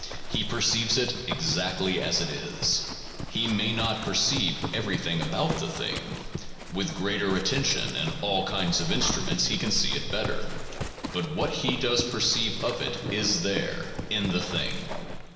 He perceives it exactly as it is; he may not perceive everything about the thing; with greater attention and all kinds of instru ments he can see it better, but what he does perceive of it is there, in the thing.